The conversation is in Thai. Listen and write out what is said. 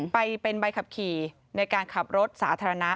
ไปเป็นใบขับขี่ในการขับรถสาธารณะ